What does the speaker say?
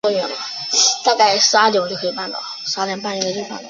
金川三角城遗址的历史年代为青铜时代。